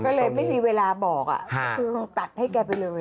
ก็เลยไม่มีเวลาบอกคือตัดให้แกไปเลย